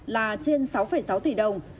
là trên sáu sáu tỷ đồng